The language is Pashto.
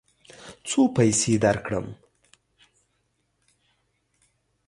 څو پیسې درکړم؟